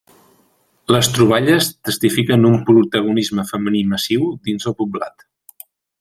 Les troballes testifiquen un protagonisme femení massiu dins del poblat.